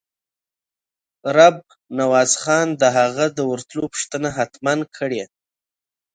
رب نواز خان د هغه د ورتلو پوښتنه حتماً کړې.